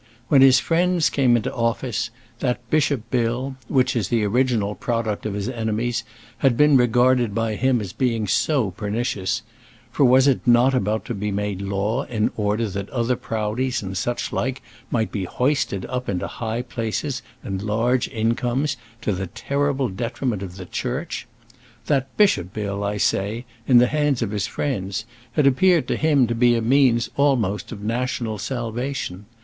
When his friends came into office, that bishop bill, which as the original product of his enemies had been regarded by him as being so pernicious for was it not about to be made law in order that other Proudies and such like might be hoisted up into high places and large incomes, to the terrible detriment of the Church? that bishop bill, I say, in the hands of his friends, had appeared to him to be a means of almost national salvation.